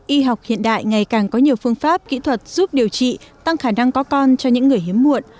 y học hiện đại ngày càng có nhiều phương pháp kỹ thuật giúp điều trị tăng khả năng có con cho những người hiếm muộn